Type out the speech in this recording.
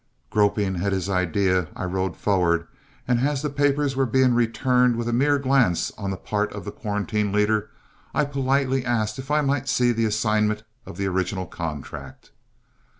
Groping at his idea, I rode forward, and as the papers were being returned with a mere glance on the part of the quarantine leader, I politely asked if I might see the assignment of the original contract.